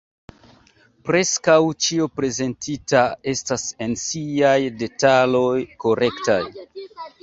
Preskaŭ ĉio prezentita estas en siaj detaloj korekta.